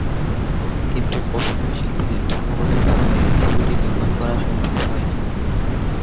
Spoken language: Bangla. কিন্তু অভিনয়শিল্পীদের ধর্মঘটের কারণে ছবিটি নির্মাণ করা সম্ভব হয়নি।